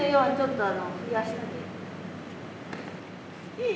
いい？